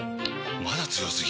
まだ強すぎ？！